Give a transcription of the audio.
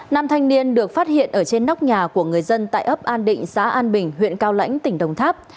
nam thanh niên được phát hiện ở trên nóc nhà của người dân tại ấp an định xã an bình huyện cao lãnh tỉnh đồng tháp